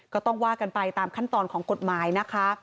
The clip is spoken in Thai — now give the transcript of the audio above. ก็ต้องว่ากันไปตามขั้นตอนของกฎหมายนะคะ